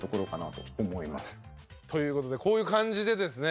という事でこういう感じでですね